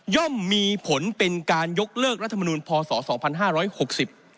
ย่อมมีผลเป็นการยกเลิกรัฐมนุนพศ๒๕๖๐